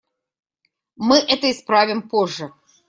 Мы это исправим позже.